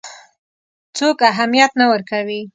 څوک اهمیت نه ورکوي.